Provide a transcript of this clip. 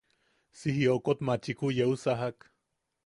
Si jiokot machiku yeu sajak.